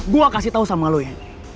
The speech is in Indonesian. gue kasih tau sama lo ya